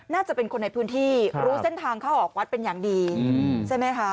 น่าจะเป็นคนในพื้นที่รู้เส้นทางเข้าออกวัดเป็นอย่างดีใช่ไหมคะ